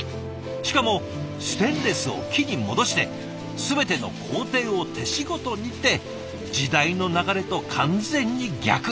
しかもステンレスを木に戻して全ての工程を手仕事にって時代の流れと完全に逆。